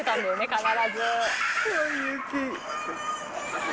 必ず。